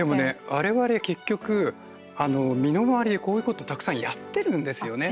われわれ結局身の回りでこういうことたくさんやってるんですよね。